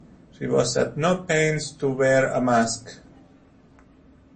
She was at no pains to wear a mask.